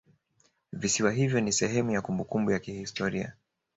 Visiwa hivyo ni sehemu ya kumbukumbu ya kihistoria